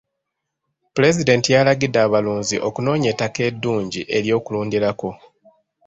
Pulezidenti yalagidde abalunzi okunoonya ettaka eddungi ery'okulundirako.